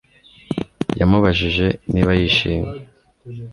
yamubajije niba yishimye